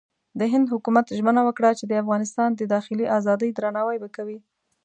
د هند حکومت ژمنه وکړه چې د افغانستان د داخلي ازادۍ درناوی به کوي.